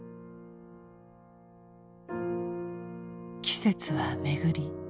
季節は巡り